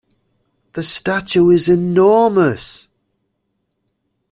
The statue is enormous.